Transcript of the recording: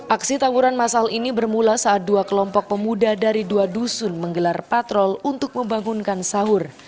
aksi taburan masal ini bermula saat dua kelompok pemuda dari dua dusun menggelar patrol untuk membangunkan sahur